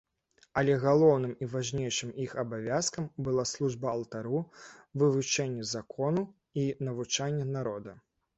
Але галоўным і важнейшым іх абавязкам была служба алтару, вывучэнне закону і навучанне народа.